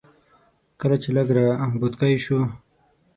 کله چې لږ را بوتکی شوم.